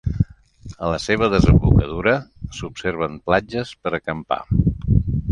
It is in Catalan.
A la seva desembocadura s'observen platges per acampar.